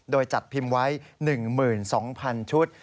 โดยจัดพิมพ์ไว้๑๒๐๐๐ชุด